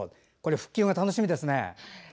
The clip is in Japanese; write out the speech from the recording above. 復旧が楽しみですね。